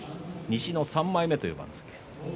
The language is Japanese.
西の３枚目という番付。